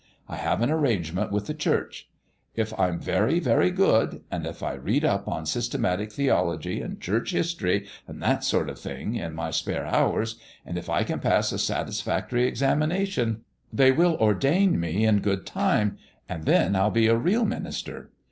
I have an arrangement with the Church. If I'm very, very good, and if I read up on systematic theology and church history and that sort of thing in my spare hours, and if I can pass a satisfactory examination, they will ordain me, in good time ; and then I'll be a real minister.